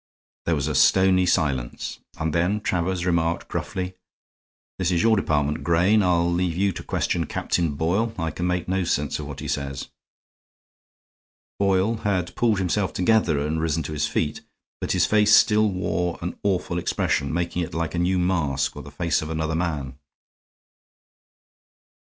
There was a stony silence, and then Travers remarked, gruffly: "This is your department, Grayne; I will leave you to question Captain Boyle. I can make no sense of what he says." Boyle had pulled himself together and risen to his feet, but his face still wore an awful expression, making it like a new mask or the face of another man.